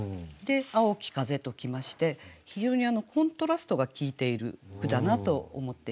「青き風」と来まして非常にコントラストが効いている句だなと思って頂きました。